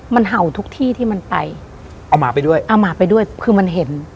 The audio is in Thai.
มันเห่าทุกที่ที่มันไปเอาหมาไปด้วยเอาหมาไปด้วยคือมันเห็น